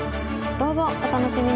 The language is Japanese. どうぞお楽しみに！